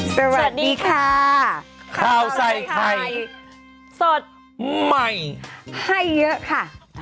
สวัสดีค่ะข้าวใส่ไข่สดใหม่ให้เยอะค่ะ